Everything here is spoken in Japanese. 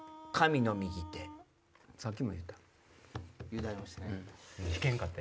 さっきも言うた。